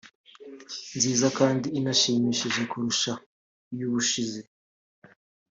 nziza kandi inashimishije kurusha iy’ubushize